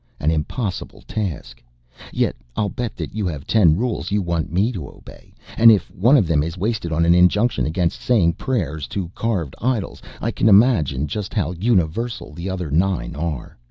An impossible task. Yet I'll bet that you have ten rules you want me to obey, and if one of them is wasted on an injunction against saying prayers to carved idols I can imagine just how universal the other nine are.